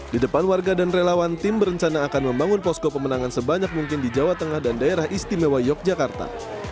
di depan warga dan relawan tim berencana akan membangun posko pemenangan sebanyak mungkin di jawa tengah dan daerah istimewa yogyakarta